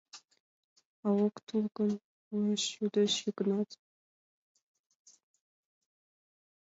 — А ок тол гын? — уэш йодеш Йыгнат.